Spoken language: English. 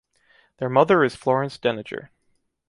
Their mother is Florence Deniger.